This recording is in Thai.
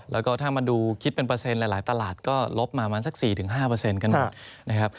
แล้วก็ถ้ามาดูคิดเป็นประเซนต์หลายตลาดก็ลบมาสัก๔๕เปอร์เซ็นต์กันหมด